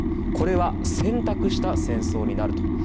これは選択した戦争になると。